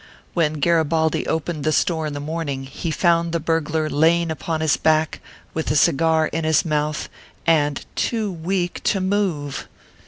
When Garibaldi opened the store in the morning, he found the burglar laying on his back, with a cigar in his mouth, and too iveak to move!